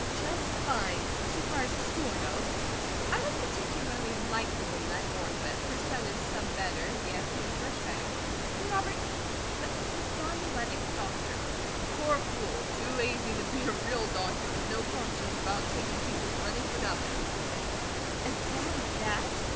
"Just fine, so far as the school goes. I don't particularly like the woman I board with. Her son is some better, yes, he is much better. And Robert, what is a Zonoletic Doctor?" "A poor fool, too lazy to be a real doctor, with no conscience about taking people's money for nothing," he said. "As bad as THAT?"